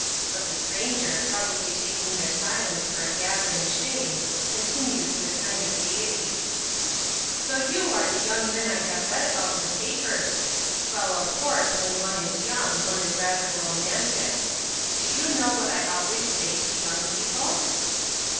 But the stranger, probably taking their silence for a gathering shame, continued with a kind of gaiety: "So you are the young men I have read about in the papers. Well, of course, when one is young, one is rather romantic. Do you know what I always say to young people?"